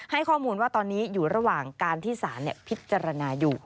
ให้ข้อมูลว่าตอนนี้อยู่ระหว่างการที่สารพิจารณาอยู่